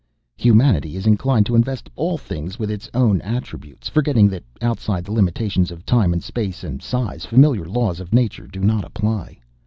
Humanity is inclined to invest all things with its own attributes, forgetting that outside the limitations of time and space and size, familiar laws of nature do not apply.